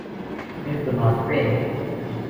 They do not pay.